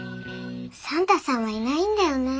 サンタさんはいないんだよね